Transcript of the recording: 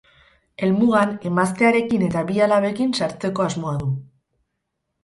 Helmugan emaztearekin eta bi alabekin sartzeko asmoa du.